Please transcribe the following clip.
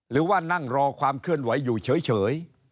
หรือว่านั่งรอความเคลื่อนไหวอยู่เฉย